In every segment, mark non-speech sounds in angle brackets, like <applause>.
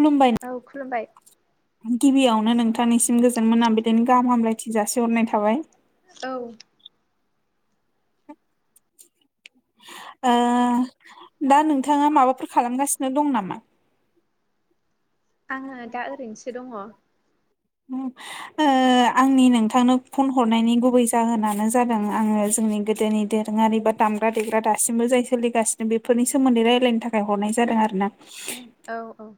खुलुमबाय। औ खुलुमबाय। गिबियावनो नोंथांनिसिम गोजोन मोना बिदिनो गाहाम हामलायथि जासिहरनाय थाबाय। औ। ओ दा नोंथाङा माबाफोर खालामगासिनो दं नामा? आङो दा ओरैनोसो दङ। ओम ओ आंनि नोंथांनो फन हरनायनि गुबै जाहोनानो जादों आङो जोंनि गोदोनि दो रोङारि बा दामग्रा देग्रा दासिमबो जाय सोलिगासिनो बेफोरनि सोमोन्दै रायजलायनो थाखाय हरनाय जादों आरो ना। ए औ औ।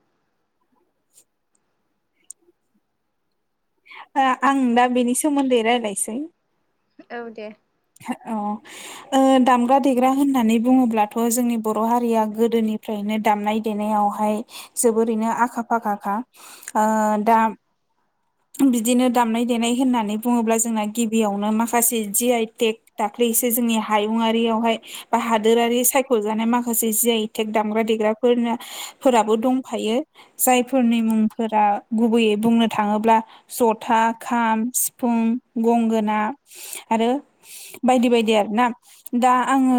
ओ आं दा बेनि सोमोन्दै रायज्लायसै। औ दे। औ ओ दामग्रा देग्रा होननानै बुङोब्लाथ' जोंनि बर' हारिया गोदोनिफ्रायनो दामनाय देनायावहाय जोबोरैनो आखा फाखाखा ओ दा बिदिनो दामनाय देनाय होननानै बुङोब्ला जोंना गिबियावनो माखासे जि आइ टेक दाख्लैसो जोंनि हायुङारियावहाय बा हादोरारि सायख'जानाय मा खासे जि आइटेक दामग्रा देग्राफोरना फोराबो दंफायो। जायफोरनि मुंफोरा गुबैयै बुंनो थाङोब्ला जथा खाम सिफुं गंगोना आरो बायदि बायदि आरो ना। दा आङो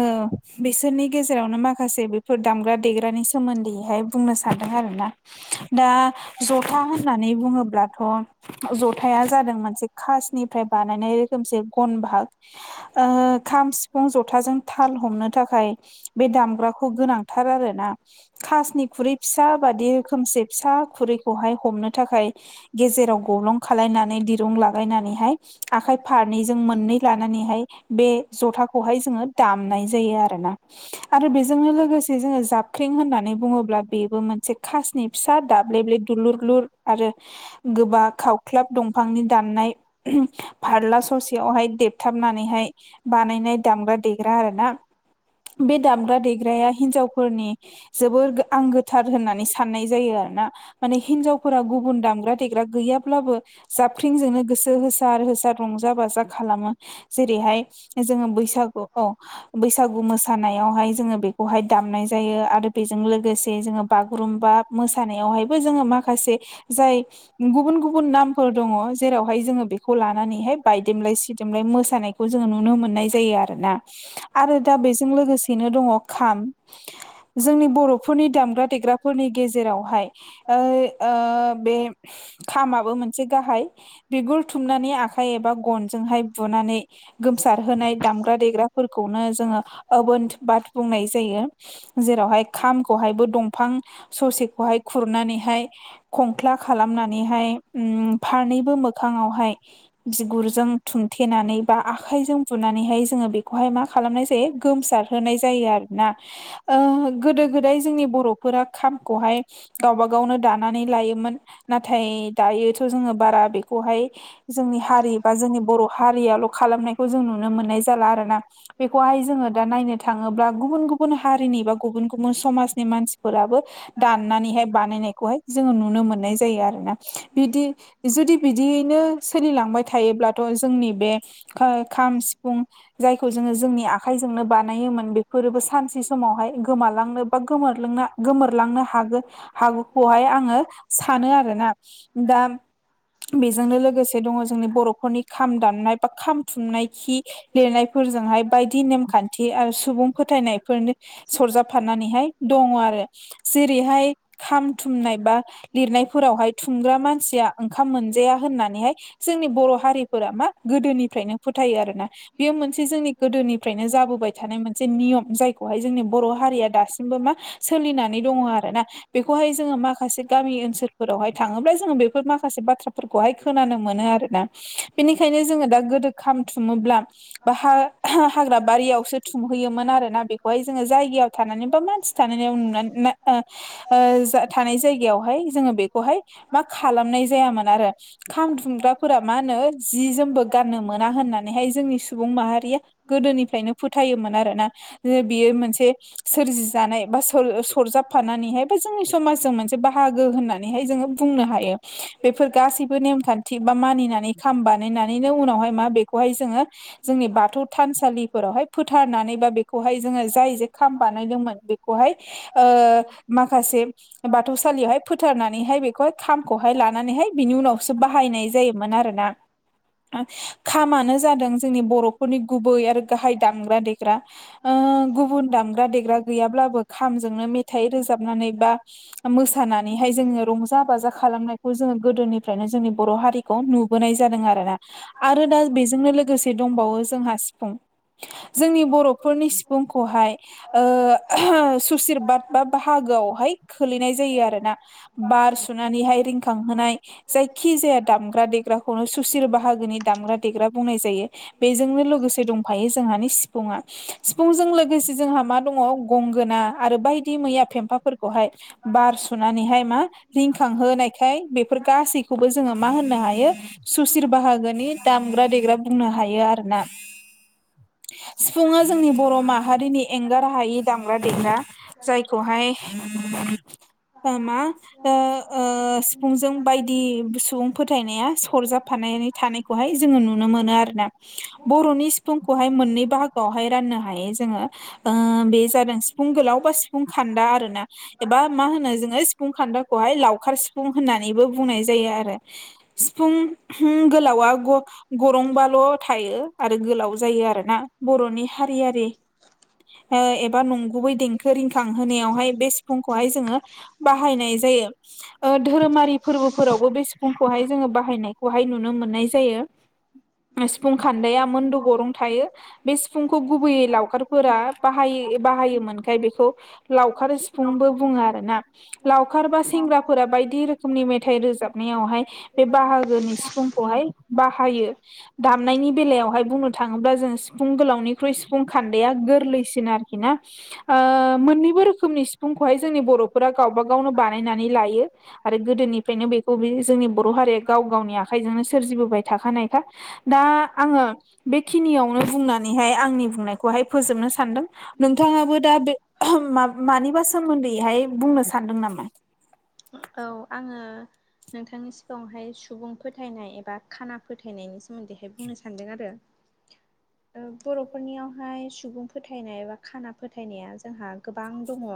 बिसोरनि गेजेरावनो माखासे बेफोर दामग्रा देग्रानि सा सोमोन्दैहाय बुंनो सानदों आरो ना। दा जथा होननानै बुङोब्लाथ' जथाया जादों मोनसे खासनिफ्राय बानायनाय रोखोमसे गन भाग। ओ खाम सिफुं जथाजों थाल हमनो थाखाय बे दामग्राखौ गोनांथार आरोना खासनि खुरै फिसा बादि रो खोमसे फिसा खुरैखौहाय हमनो थाखाय गेजेराव ग्लं खालायनानै दिरुं लालायनानैहाय आखाइ फारनैजों मोननै लानानैहाय बे जथाखौहाय जोङो दामनाय जायो आरोना। आरो बेजोंनो लोगोसे जोङो जाबखें होननानै बुङोब्ला बेबो मोनसे खासनि फिसा दाब्लेब्ले दुलुर लुर आरो गोबा खावख्लाब दंफांनि दाननाय फारला ससेयावहाय देब हुथाबनानैहाय बानायनाय दामग्रा देग्रा आर ना बे दामग्रा देग्राया हिनजावफोरनि जोबोर आंगोथार होननानै सान साननाय जायो आरो ना माने हिनजावफोरा गुबुन दामग्रा देग्रा गैया थब्लाबो जाबाख्रिंजोंनो गोसो होसा आरो होसा रंजा बाजा खालामो। जेरैहाय जोंङो बैसागु औ बैसागु मोसानायावहाय जोंङो बेखौहाय दामनाय जायो। आरो बेजों लोगोसे जोङो बागुरुम्बा मोसानायावहायबो जोंङो माखासे जाय गुबुन गुबुन गुबुन नामफोर दंङ जेरावहाय जोङो बेखौ लानानैहाय बायदेमलाय सिदेमलाय मोसानाय खौ जोंङो नुनो मोननाय जायो आरोना आरो दा बेजों लोगोसेनो दङ खाम जोंनि बर'फोरनि दामग्रा देग्राफोरनि गेजेरावहाय ओयै ओ बे खामाबो मोनसे गाहाय बिगुर थुमनानै आखाइ एबा गनजोंहाय बुनानै गोमसार होनोनाय दामग्रा देग्राफोरखौनो जोंङो बोन बाद बुंनाय जायो। जेरावहाय खामखौहायबो दंफां ससेखौहाय खुरनानैहाय खंख्ला खालामनानैहाय ओम फारनैबो मोखाङावहाय बिगुरजों थुमथेनानै बा आखाइजों बुनानैहाय जोंङो बेखौहाय मा खालामनाय जायो गोमसार होनाय जायो आरोना ओ गोदो गोदाय जोंनि बर'फोरा खामखौहाय गावब गावनो दानानै लायोमोन नाथाय दायोथ' जोंङो बारा बेखौहाय जोंनि हारि बा जोंनि बर' हारियाल' खालामनायखौ जों नुनो मोननाय जाला आर ना। बेखौहाय जोंङो दा नायनो थाङोब्ला गुबुन गुबुन हारिनि बा गुबुन गुबुन समाजनि मानसिफोराबो दाननानैहाय बानायनायखौहाय जोंङो नुनो मोननाय जायो आरो ना। बिदि जुदि बिदियैनो सोलिलांबाय थायोब्लाथ' जोंनि बे ओ खाम सिफुं जायखौ जोंङो जोंनि आखाइजोंनो बानायोमोन बेफोरोबो सानसे समावहाय गोमालांनो बा गोमोरलोंना गोमोरलांनो हागोन हागौखौहाय आंङो सानो आरोना। दा बेजोंनो लोगोसे दङ जोंनि बर'फोरनि खाम दामनाय बा खाम थुमनाय खि लिरनायफोरजोंहाय बायदि नेमखान्थि आरो सुबुं फोथायनायफोरनो सरजाबफानानैहाय दङ आरो जेरैहाय खाम थुमनाय बा लिरनायफोरावहाय खुमग्रा मानसिया ओंखाम मोनजाया होननानैहाय जोंनि बर' हारिफोरा मा गोदोनिफ्रायनो फोथायो आरो ना बेयो मोनसे जोंनि गोदोनिफ्रायनो जाबोबाय थानाय मोनसे नियम जायखौहाय जोंनि बर' हारिया दासिमबो मा सोलिनानै दङ आरो ना बेखौहाय जोंङो माखासे गामि ओनसोलफोरावहाय थाङोब्ला जोंङो बेफोर माखासे बाथ्राफोरखौहाय खोनानो मोनो आरोना। बेनिखायनो जोंङो दा गोदो खामथुमोब्ला बा ह हाग्राबारियावसो थुमहैयोमोन आरोना बेखौहाय जोंङो जायगायाव थानानै बा मानसि थानायाव नुनानै ओ थानाय जायगायावहाय जोंङो बे खौहाय मा खालामनाय जायामोन आरो खाम दुंग्राफोरा मा होनो जि जोमबो गाननो मोना होननानैहाय जोंनि सुबुं माहारिया गोदोनिफ्रायनो फोथायोमोन आरोना ओ बियो मोनसे सोरजि जानाय बा सरजाबफानानैहाय बा जोंनि समाजजों मोनसे बाहागो होननानै हाय बुंनो हायो। बे फोरगासिबो नेमखानथि बा मानिनानै खाम बानायनानै उनाव हाय मा खौहाय जोङो। जोंनि बाथौ थानसालिफोरावहाय फोथारनानै बा बेखौहाय जोङो जाय जे खाम बानायदोंमोन बेखौहाय माखासे बाथौसालियावहाय फ फोथारनानैहाय बेखौहाय खामखौहाय लानानैहाय बिनि उनावसो बाहायनाय जायोमोन आरोना खामानो जादों जोंनि बर'फोरनि गुबै आरो गाहाय दामग्रा देग्रा ओ गुबुन दामग्रा देग्रा गैयाब्लाबो खामजोंनो मेथाइ रोजाबनानै बा मोसाना नानैहाय जोंङो रंजा बाजा खालामनायखौ जोंङो गोदोनिफ्रायनो जोंनि बर' हारिखौ नुबोनाय जादों आर आरोना आरो दा बेजोंनो लोगोसे दंबावो जोंहा सिफुं जोंनि बर'फोरनि सिफुंखौहाय ओ <unintelligible> सुसर बााद बा बाहागोआवहाय खोलैनाय जायो आर ना बार सुनानैहाय रिंखांहोनाय जायखि जाया दामग्रा देग्राखौनो सुसिल बाहागोनि दामग्रा देग्रा बुंनाय जायो बेजोंनो लोगोसे दंफायो जोंहानि सिफुङा सिफुंजों लोगोसे जोंहा मा दङ गंगोना आरो बायदि मैया फेम्फाफोरखौहाय ब <unintelligible> सनानैहाय मा रिंखां होनायखाय बेफोर गासैखौबो जोङो मा होननो हायो सुशिर बाहागोनि दामग्रा देग्रा बुंनो हायो आरोना सिफुङा जोंनि बर' माहारिनि एंगार हायि दामग्रा देग्रा जायखौहाय मा ओ ओ सिफुंजों बाय दि सुबुं फोथायनाया सरजाबफानानै थानायखौहाय जोङो नुनो मोनो आरो ना ब <unintelligible> फुंखौहाय मोननै बाहागोआवहाय राननो हायो जोङो बे जादों सिफुं गोलावबा सिफुं खान्दा आरो ना एबा मा होनो ज नोङो सिफुं खान्दाखौहाय लावखार सिफुं होननानैबो बुंनाय जायो आरो सिफुं गोलावा गरंबाल' थायो आरो गोलाव जायो आरो ना बर'नि हारियारि एबा नंगुबै देंखो रिंखां होनायावहाय बे सिफुंखौहाय जोङो बाहायनाय जायो धोरोमारि फोरबोफोरावबो बे सिफुंखौहाय जोङो बाहायनायखौहाय नुनो मोननाय जायो सिफुं खान्दाया मोनदु गरुं थायो बे सिफुंखौ गुबैयै लावखारफोरा बाहाय बाहायोमोनखाय बेखौ लावखार सिफुंबो बुङो आरो ना लावखार बा सेंग्राफोरा बायदि रोखोमनि मेथाइ रोजाबनायावहाय बे बाहागोनि सिफुंखौहाय बाहायो दामनायनि बेलायावहाय बुंनो थाङोब्ला जों सिफुं गोलावनिख्रुइ सिफुं खान्दैआ गोरलैसिन आरोखि ना ओ मोननैबो रोखोमनि सिफुंखौहाय जोंनि बर'फोरा गावबा गावनो बानायनानै लायो आरो गोदोनिफ्रायनो बेखौ बे जोंनि बर' हारिया गाव गावनि आखाइजोंनो सोरजिबोबाय थाखानाय दा आङो बेखिनियावनो बुंनानैहाय आंनि बुंनायखौहाय फोजोबनो सान्दों नोंथाङाबो दा बे मानिबा सोमोन्दैहाय बुंनो सानदों नामा औ आङो नोंथांनि सिगाङावहाय सुबुं फोथायनाय एबा खाना फोथायनायनि सोमोन्दैहाय बुंनो सानदों आरो <inaudible> बर'फोरनियावहाय सुबुं फोथायनाय बा खाना फोथायनाया जोंहा गोबां दङ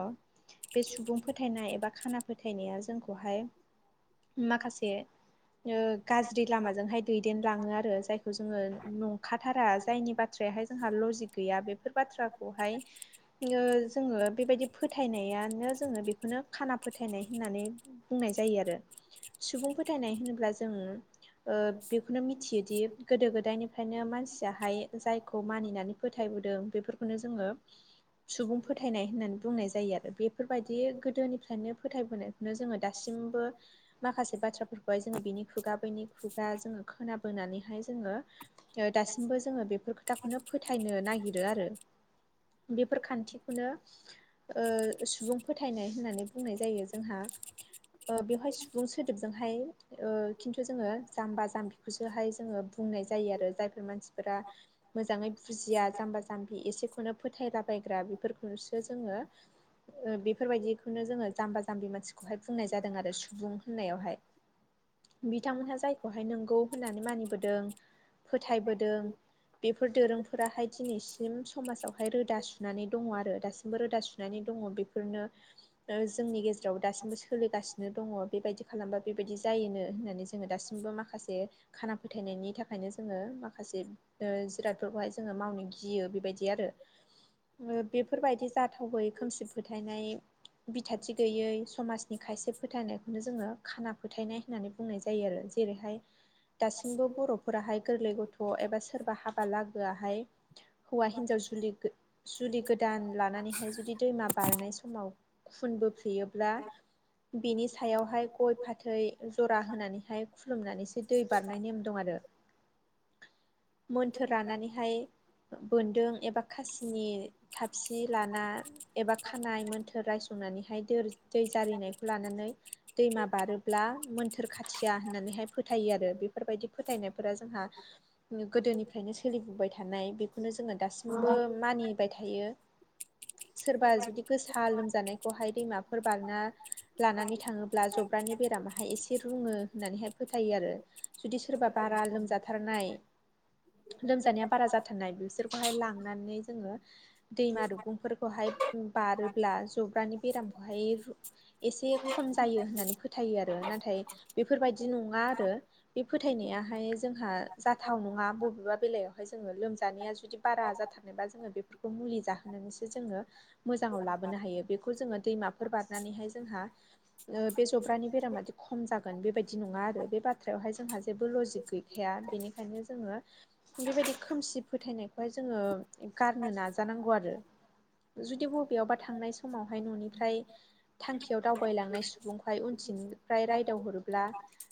बे सुबुं फोथायनाय एबा खाना फोथायनाया जोंखौहाय माखासे गाज्रि लामाजोंहाय दैदेन लाङो आरो जायखौ जोङो नंखाथारा जायनि बाथ्रायाहाय जोंहा लजिक गैया बेफोर बाथ्रा अ हायो जोङो बेबायदि फोथायनायानो जोङो बेखौनो खाना फो फोथायनाय होननानै बुंनाय जायो आरो सुबुं फोथायनाय होनोब्ला जोङो ओ बेखौनो मिथियोदि गोदो गोदायनिफ्रायनो मानसियाहाय जायखौ मानिनानै फोथायबोदों बेफोरखौनो जोङो <inaudible> सुबुं फोथायनाय होननानै बुंनाय जायो आरो बेफोरबायदि गोदोनिफ्रायनो फोथायबोनायखौनो जोङो दासिमबो माखासे बाथ्राफोरखौहाय जोङो बिनि खुगा बैनि खुगा जोङो खोनाबोन नानैहाय जोङो दासिमबो जोङो बेफोर खोथाखौनो फोथायनो नागिरो आरो बेफोर खान्थिखौनो सुबुं फोथायनाय होननानै बुंनाय जायो जायो जोंहा बेवहाय सुबुं सोदोबजोंहाय खिन्थु जोङो जाम्बा जाम्बिखौसोहाय जोङो बुंनाय जायो आरो जायफोर मानसिफोरा मोजाङै बुजिया जाम्बा जाम्बि एसेखौनो फोथायलाबायग्रा बेफोरखौ जोङो ओ बेफोरबायदि जाम्बा जाम्बि मानसिखौहाय बुंनाय जादों आरो सुबुं होननायावहाय बिथांमोनहा जायखौहाय नंगौ होननानै मानिबोदों। फोथायबोदों बेफोर दोरोंफोराहाय दिनैसिम समाजावहाय रोदा सुनानै दङ आरो दासिमबो रोदा सुनानै दङ बेफोरनो द जोंनि गेजेराव दासिमबो सोलिगासिनो दङ बेबायदि खालामबा बेबायदि जायोनो होननानै जोङो दासिमबो माखासे खाना फोथायनायनि थाखायनो जोङो माखासे जिरादफोरखौहाय जोङो मावनो गियो बेबायदि आरो। ओ बेफोरबायदि जाथावै खोमसि फोथायनाय खथि गैयै समाजनि खायसे फोथायनायखौनो जोङो खाना फोथायनाय होननानै बुंनाय जायो आरो जेरैहाय <inaudible> दासिमबो बर'फोराहाय गोरलै गथ' एबा सोरबा हाबा लागोआहाय हौवा हिनजाव जुलि जुलि गोदान लानानैहाय जुदि दैमा बारनाय समाव फुनबोफेयोब्ला बिनि सायावहाय गय फाथै जरा होनानैहाय खुलुमनानैसो दै बारनाय नेम दं आरो। <inaudible> मोन्थोर रानानैहाय बोन्दों एबा खासिनि थाबसि लाना एबा खानाय मोन्थोर रस फु संनानैहाय दै जारिनायखौ लानानै दैमा बारोब्ला मोन्थोर खाथिया होननानैहाय फोथायो आरो बेफोरबायदि फोथायनाय फोर जोंहा गोदोनिफ्रायनो सोलिबोबाय थानाय बेखौनो जोङो दासिमबो मानि थ सोरबा जुदि गोसा लोमजानाय दैमाफोर बारना लानानै थाङोब्ला जब्रानि बेरामाहाय एसे रुङो होननानैहाय फोथायो आरो जुदि सोरबा बारा लोमजाथारनाय लोमजानाया बारा जाथारनाय बिसोरखौहाय लांनानै जोङो दैमा दुगुंफोरखौहाय बारोब्ला जब्रानि बेरामखौहाय एसे खम जायो होननानै फोथायो आरो नाथाय बेफोरबायदि नङा आरो। बे फोथायनायाहाय जोंहा जाथाव नङा बबेबा बेलायावहाय जोङो लोमजानाया जुदि बारा जाथारनायबा जोङो बेफोरखौ मुलि जाहोनानैसो जोङो मोजाङाव लाबोनो हायो बे बेखौ जोङो दैमाफोर बारनानैहाय जोंहा बे जब्रानि बेरामादि खम जागोन बेबायदि नङा आरो बे बाथ्रायावहाय जोंहा जेबो लजिक गैया खाया बेनिखायनो जोङो बेबायदि खोमसि फोथायनायखौहाय जोङो गारनो नाजानांगौ आरो। जुदि बबेयावबा थांनाय समावहाय न'निफ्राय थांखियाव दावबायलांनाय सुबुंह उनथिनिफ्राय रायदावहरोब्ला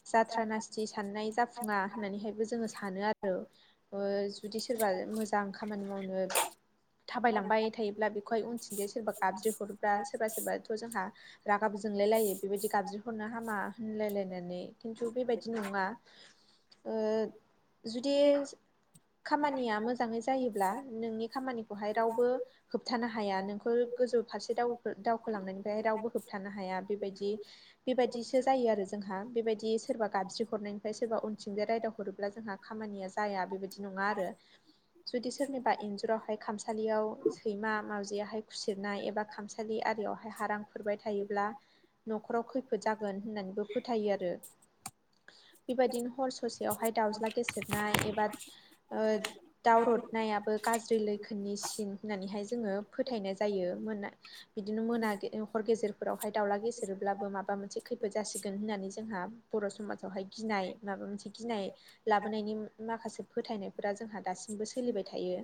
जाथ्रा नासथि साननाय जाफुङा होननानैहायबो जोङो सानो आरो। ओ जुदि सोरबा मोजां खामानि मावनो थाबायलांबाय थायोब्ला बेखौहाय उनथिनजै सोरबा गाबज्रि हरोब्ला सोरबा सोरबाथ' जोंहा रागाब जोंलाय लायो बेबायदि गाबज्रि हरनो हामा होनलायलायनानै खिन्थु बेबायदि नङा। ओ जुदि खामानिया मोजाङै जायोब्ला नोंनि खामानिखौहाय रावबो होबथानो हाया नोंखौ गोजौ फारसे दावखो दावखोलांनायनिफ्राय रावबो होबथानो हाया बेबायदि बेबायदिसो जायो आरो जोंहा बेबायदि सोरबा गाबज्रि हरनायनिफ्राय सोरबा उनथिंजाय रायदाव हरोब्ला जोंहा खामानिया जाया बेबायदि नङा आरो। जुदि सोरनिबा इन्जुरावहाय खामसालियाव सैमा मावाजियाहाय खुसिरनाय एबा खामसालि आरियावहाय हारां खुरबाय थायोब्ला न'खराव खैफोद जागोन होननानैबो फोथायो आरो। बेबायदिनो हर ससेयावहाय दाउज्ला गेसेेरनाय एबा ओ दाव रदनायाबो गाज्रि लैखोननि सिन होननानैहाय जोङो फोथायनाय जायो। मोना बिदिनो मोना हर गेजेरफोरावहाय दाउला गेजेरब्लाबो माबा मोनसे खैफोद जासिगोन होननानै जोंहा बर' समाजावहाय गिनाय माबा मोनसे गिनाय लाबोनायनि माखासे फोथायनायफोरा जोंहा दासिमबो सोलिबाय थायो।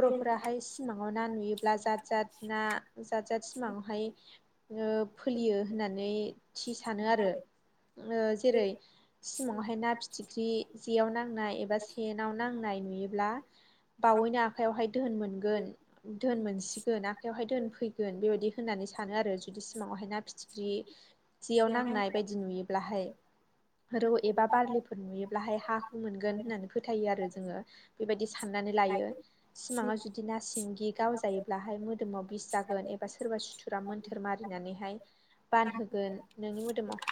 बर'फोरा सिमाङाव ना सानो नुयोब्ला जात जात ना जात जात सिमाङावहाय ओ फोलियो होननानै थि सानो आरो जेरै सिमाङावहाय ना फिथिख्रि जेयाव नांनाय एबा सेनाव नांनाय नुयोब्ला बावैनो आखायावहाय धोन मोनगोन, धोन मोनसिगोन आखायावहाय धोन फैगोन बेबायदि होननानै सानो आरो जुदि सिमाङावहाय ना फिथिख्रि जेयाव नांनाय बायदि नुयोब्लाहाय। जेरै रौ एबा बारलिफोर नुयोब्लाहाय हा हु मोनगोन होननानै फोथायो आरो जोङो बेबायदि साननानै लायो सिमाङाव जुदि ना सिंगि गावजायोब्लाहाय मो दोमाव बिस जागोन एबा सोरबा सुथुरा मोन्थोर मारिनानैहाय बानहोगोन नोंनि मोदोमाव